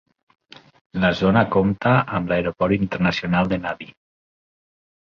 La zona compta amb l'aeroport internacional de Nadi.